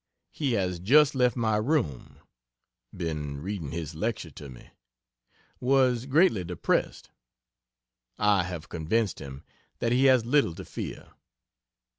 He has just left my room been reading his lecture to me was greatly depressed. I have convinced him that he has little to fear.